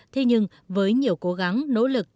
thế nhưng với nhiều cố gắng nỗ lực